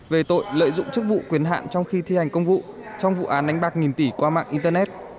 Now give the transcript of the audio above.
về tội lợi dụng chức vụ quyền hạn trong khi thi hành công vụ trong vụ án đánh bạc nghìn tỷ qua mạng internet